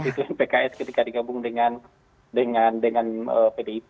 itu pks ketika digabung dengan pdip